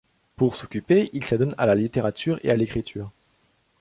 Pour s'occuper, il s'adonne à la littérature et à l’écriture.